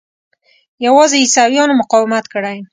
یوازې عیسویانو مقاومت کړی.